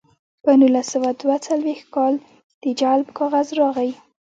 په نولس سوه دوه څلویښت کال د جلب کاغذ راغی